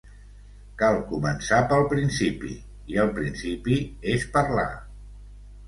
Cal començar pel principi, i el principi és parlar.